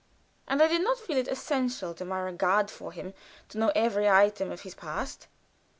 And I did not feel it essential to my regard for him to know every item of his past.